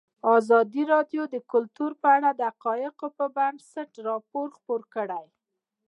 ازادي راډیو د کلتور په اړه د حقایقو پر بنسټ راپور خپور کړی.